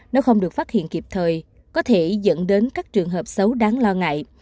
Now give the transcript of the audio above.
nếu không được phát hiện kịp thời có thể dẫn đến các trường hợp xấu đáng lo ngại